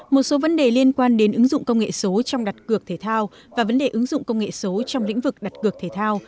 một số vấn đề liên quan đến ứng dụng công nghệ số trong đặt cược thể thao và vấn đề ứng dụng công nghệ số trong lĩnh vực đặt cược thể thao